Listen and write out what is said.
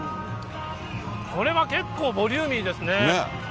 これは結構ボリューミーですね。